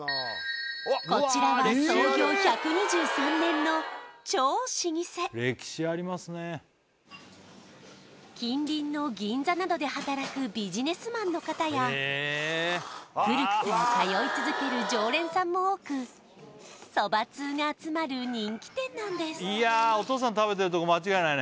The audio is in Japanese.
こちらは創業１２３年の超老舗近隣の銀座などで働くビジネスマンの方や古くから通い続ける常連さんも多くそば通が集まる人気店なんです